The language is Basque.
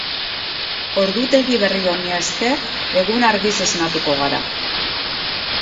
Ordutegi berri honi esker, egun-argiz esnatuko gara.